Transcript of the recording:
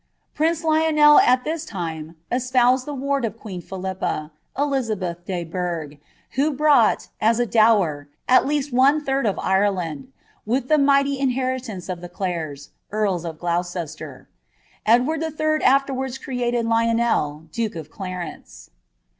Prince Lionel al thia liioe eauoused the ward of aneen Phili|9% Elizabeth tie Burgh, who brought, as dower, at least oue third of ItdlWi with the tnighty inheritance of the Clares, earla of Gloucester. Edwwd 111. aftcrwanla creAted Lionel duke of Clarence.